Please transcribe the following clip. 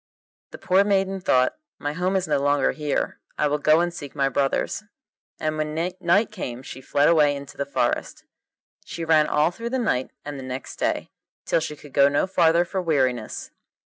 The poor maiden thought, 'My home is no longer here; I will go and seek my brothers.' And when night came she fled away into the forest. She ran all through the night and the next day, till she could go no farther for weariness.